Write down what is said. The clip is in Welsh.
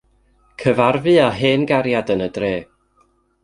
Cyfarfu â hen gariad yn y dre.